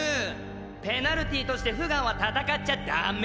ペナルティーとしてフガンは戦っちゃダメ！